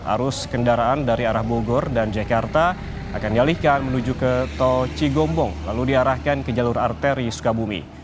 arus kendaraan dari arah bogor dan jakarta akan dialihkan menuju ke tol cigombong lalu diarahkan ke jalur arteri sukabumi